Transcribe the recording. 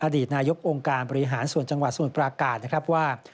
อดีตนายกองค์การบริหารส่วนจังหวัดสมุทรปราการนะครับว่า